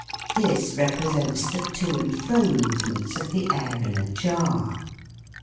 This represents the to and fro move ment of the air in a jar.